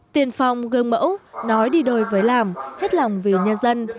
tiền phong gương mẫu nói đi đôi với làm hết lòng vì nhân dân